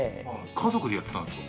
家族でやってたんですか？